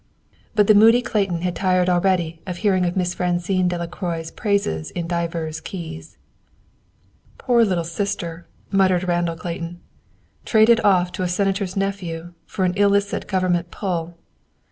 But the moody Randall Clayton had tired already of hearing Miss Francine Delacroix's praises in divers keys. "Poor Little Sister," muttered Randall Clayton. "Traded off to a senator's nephew, for an illicit government pull.